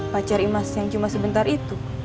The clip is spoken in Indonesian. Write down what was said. pacar emas yang cuma sebentar itu